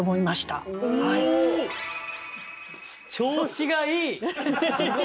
調子がいい！